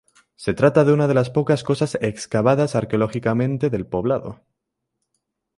Se trata de una de las pocas casas excavadas arqueológicamente del poblado.